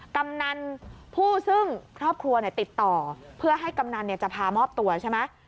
กำนันผู้ซึ่งครอบครัวติดต่อเพื่อให้กำนันจะพามอบตัวใช่ไหม